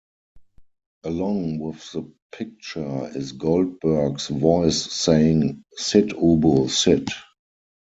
Along with the picture is Goldberg's voice saying Sit, Ubu, sit!